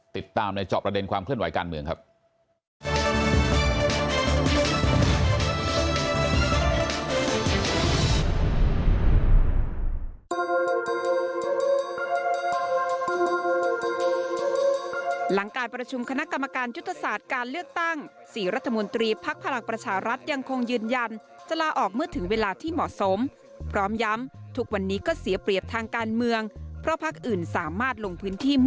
ติดตามในจอบประเด็นความเคลื่อนไหวการเมืองครับ